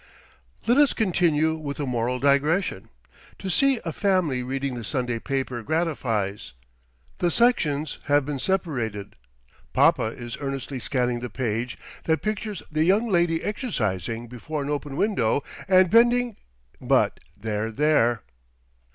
Let us continue with a moral digression. To see a family reading the Sunday paper gratifies. The sections have been separated. Papa is earnestly scanning the page that pictures the young lady exercising before an open window, and bending—but there, there!